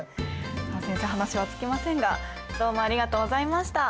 まあ先生話は尽きませんがどうもありがとうございました。